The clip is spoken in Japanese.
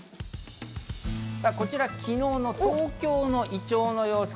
こちら昨日の東京のイチョウの様子。